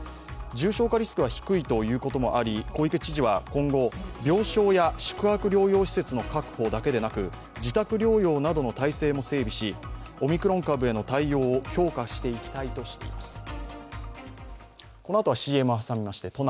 重症化リスクは低いということもあり、小池知事は今後、病床や宿泊療養施設の確保だけでなく自宅療養などの体制も整備しオミクロン株への対応を強化していきたいとしています。